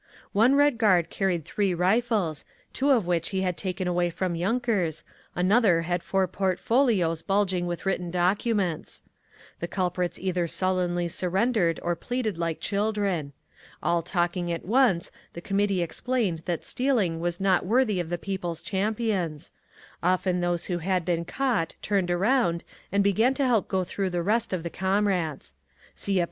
One Red Guard carried three rifles, two of which he had taken away from yunkers; another had four portfolios bulging with written documents. The culprits either sullenly surrendered or pleaded like children. All talking at once the committee explained that stealing was not worthy of the people's champions; often those who had been caught turned around and began to help go through the rest of the comrades. (See App.